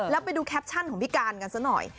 แล้วไปดูแคปชั่นของพี่การกันซะหน่อย